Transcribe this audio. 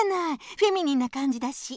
フェミニンなかんじだし。